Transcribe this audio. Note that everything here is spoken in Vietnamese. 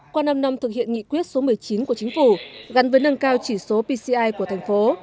qua năm năm thực hiện nghị quyết số một mươi chín của chính phủ gắn với nâng cao chỉ số pci của thành phố